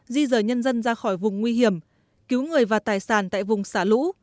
di rời nhân dân ra khỏi vùng nguy hiểm cứu người và tài sản tại vùng xả lũ